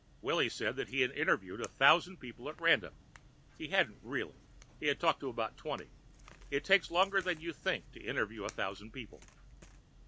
Willy said that he had interviewed a thousand people at random. (He hadn't really; he had talked to about twenty. It takes longer than you might think to interview a thousand people.)